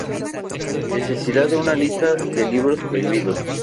Necesidad de una lista de libros prohibidos.